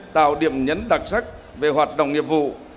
tạo điểm nhấn đặc sắc về hoạt động nghiệp vụ